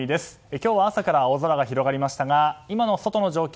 今日は朝から青空が広がりましたが今の外の状況